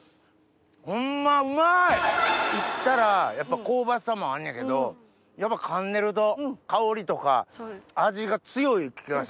煎ったらやっぱ香ばしさもあんねんけどやっぱ噛んでると香りとか味が強い気がします。